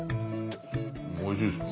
おいしいです。